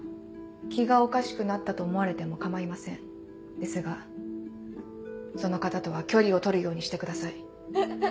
気がおかしくなったと思われても構いませですがその方とは距離を取るようにしハハハ